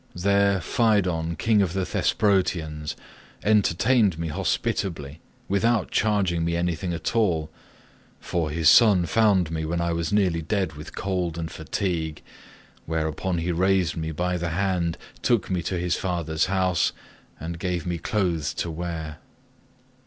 There Pheidon king of the Thesprotians entertained me hospitably without charging me anything at all—for his son found me when I was nearly dead with cold and fatigue, whereon he raised me by the hand, took me to his father's house and gave me clothes to wear.